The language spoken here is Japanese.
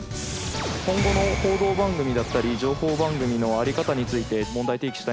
今後の報道番組だったり情報番組のあり方について問題提起したいな。